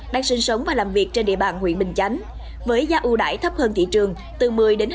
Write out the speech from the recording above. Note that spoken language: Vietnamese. đang sinh sống và làm việc trên địa bàn huyện bình chánh với giá ưu đải thấp hơn thị trường từ một mươi hai mươi